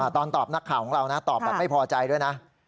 ตอนตอบนักข่าวของเรานะตอบแบบไม่พอใจด้วยนะ